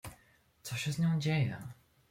"Co się z nią dzieje?"